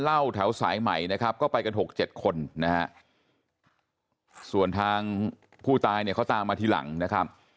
เล่าแถวสายใหม่นะครับก็ไปกัน๖๗คนนะส่วนทางผู้ตายเขาตาม